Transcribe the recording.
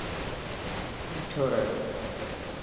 ٻيٺو رهه.